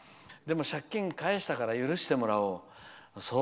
でも借金返したから許してもらおう。